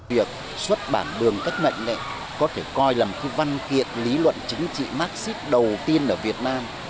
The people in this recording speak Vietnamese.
việc xuất bản đường cách mệnh này có thể coi là một văn kiện lý luận chính trị marxist đầu tiên ở việt nam